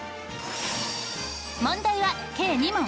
問題は計２問。